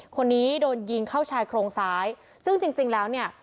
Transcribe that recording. คนนี้โดนยิงเข้าชายโครงซ้ายซึ่งจริงจริงแล้วเนี่ย